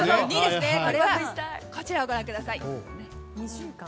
こちらをご覧ください。